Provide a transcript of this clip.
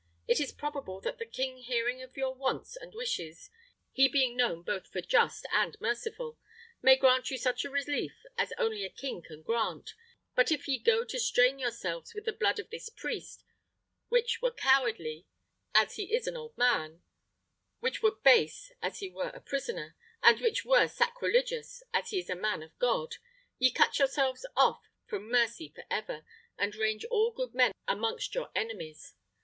It is probable that the king, hearing of your wants and wishes, he being known both for just and merciful, may grant you such relief as only a king can grant; but if ye go to stain yourselves with the blood of this priest, which were cowardly, as he is an old man; which were base, as he is a prisoner; and which were sacrilegious, as he is a man of God, ye cut yourselves off from mercy for ever, and range all good men amongst your enemies.